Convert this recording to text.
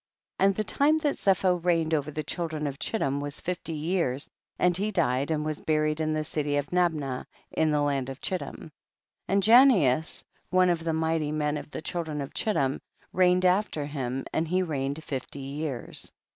6. And the time that Zepho reign ed over the children of Chittim was fifty years, and he died and was buried in the city of Nabna in the land of Chittim. 7. And Janeas, one of the mighty men of the children of Chittim, reigned after him and he reigned fifty years.